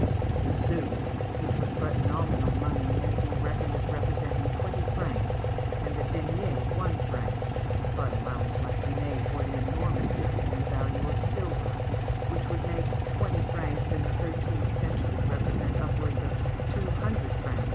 The sou, which was but nominal money, may be reckoned as representing twenty francs, and the denier one franc, but allowance must be made for the enormous difference in the value of silver, which would make twenty francs in the thirteenth century represent upwards of two hundred francs of present currency.